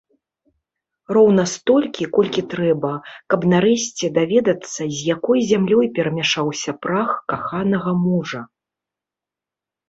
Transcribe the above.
Роўна столькі, колькі трэба, каб, нарэшце, даведацца, з якой зямлёй перамяшаўся прах каханага мужа.